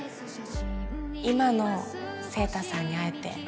今の晴太さんに会えて